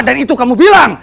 dan itu kamu bilang